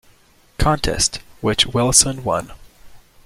Contest, which Wilson won.